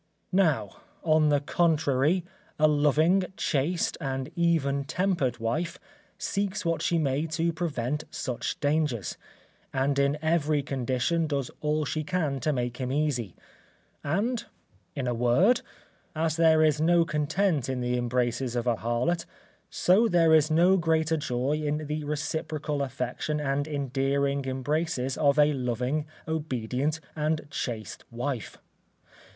Now, on the contrary, a loving, chaste and even tempered wife, seeks what she may to prevent such dangers, and in every condition does all she can to make him easy. And, in a word, as there is no content in the embraces of a harlot, so there is no greater joy in the reciprocal affection and endearing embraces of a loving, obedient, and chaste wife.